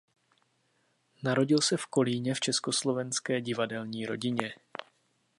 Narodil se v Kolíně v československé divadelní rodině.